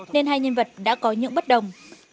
nên hai nhân vật đã có những bất đồng